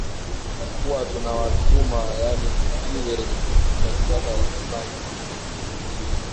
kuwa tuna watuma yaani kile tunachotaka wakifanye